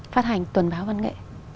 phát hành tuần báo văn nghệ